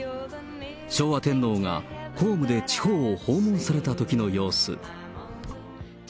昭和天皇が公務で地方を訪問されたときの様子。